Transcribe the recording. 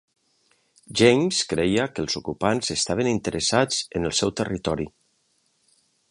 James creia que els ocupants estaven interessats en el seu territori.